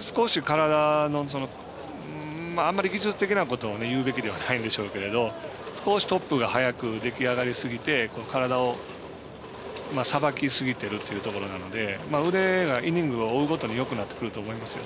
少し体のあまり技術的なところを言うべきではないんでしょうけど少しトップが早く出来上がりすぎて体をさばきすぎてるというところなので腕が、イニングを追うごとによくなってくると思います。